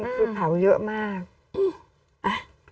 คือเผาเยอะมาก